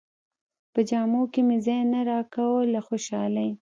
په جامو کې مې ځای نه راکاوه له خوشالۍ.